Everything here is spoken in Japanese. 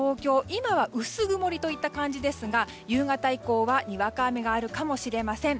今は薄曇りといった感じですが夕方以降はにわか雨があるかもしれません。